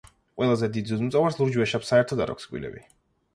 ყველაზე დიდ ძუძუმწოვარს- ლურჯ ვეშაპს საერთოდ არ აქვს კბილები.